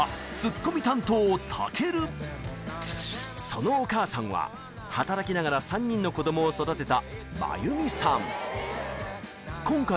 そのお母さんは働きながら３人の子どもを育てた真由美さん